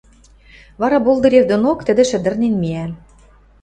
Вара Болдырев донок тӹдӹ шӹдӹрнен миӓ.